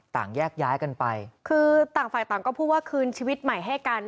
แยกย้ายกันไปคือต่างฝ่ายต่างก็พูดว่าคืนชีวิตใหม่ให้กัน